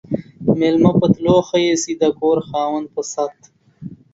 ميلمه په تلو ښه ايسي ، د کور خاوند په ست.